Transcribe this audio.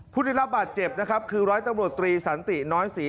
ผู้ได้รับบาดเจ็บนะครับคือร้อยตำรวจตรีสันติน้อยศรี